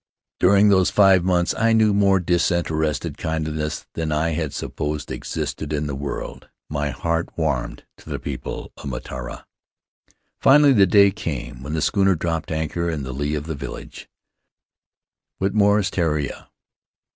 "During those five months I knew more disinterested kindliness than I had supposed existed in the world; my heart warmed to the people of Mataora. "Finally the day came when the schooner dropped anchor in the lee of the village — Whitmore's Tureia.